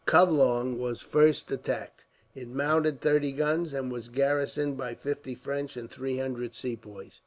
Covelong was first attacked. It mounted thirty guns, and was garrisoned by fifty French, and three hundred Sepoys.